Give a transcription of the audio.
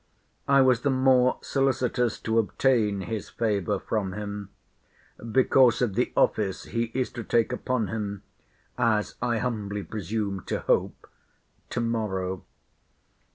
I was the more solicitous to obtain his favour form him, because of the office he is to take upon him, as I humbly presume to hope, to morrow.